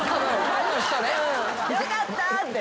よかった！って。